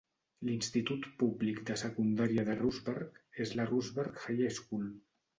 L'institut públic de secundària de Rustburg és la Rustburg High School.